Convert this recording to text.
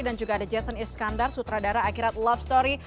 dan juga ada jason iskandar sutradara akhirat love story